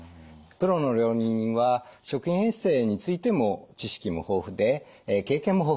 プロの料理人は食品衛生についても知識も豊富で経験も豊富です。